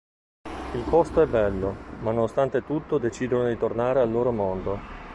Il posto è bello, ma nonostante tutto decidono di tornare al loro mondo.